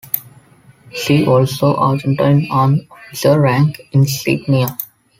See also "Argentine Army officer rank insignia".